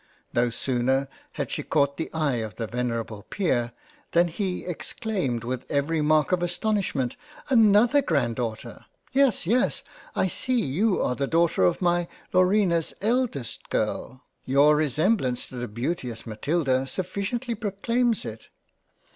No sooner had she caught the eye of the venerable Peer, than he exclaimed with every mark of astonishment —" Another Grandaughter ! Yes, yes, I see you are the Daughter of my Laurina's eldest Girl ; Your resemblance to the beauteous Matilda sufficiently proclaims it.